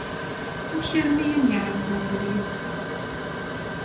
Amek armi i m-yeɛṛeq webrid?